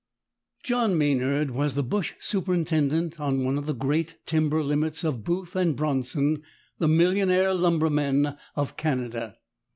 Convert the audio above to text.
John Maynard was the bush superintendent on one of the great timber limits of Booth and Bronson, the millionaire lumbermen of Canada.